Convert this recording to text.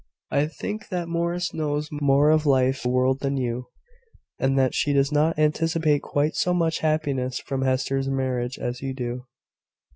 "I think that Morris knows more of life and the world than you, and that she does not anticipate quite so much happiness from Hester's marriage as you do.